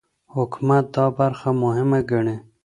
حکومت دا برخه مهمه ګڼي.